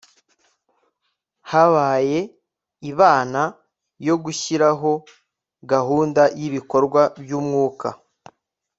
habaye ibana yo gushyiraho gahunda y'ibikorwa by'umwaka